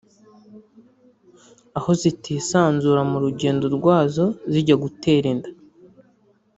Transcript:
aho zitisanzura mu rugendo rwazo zijya gutera inda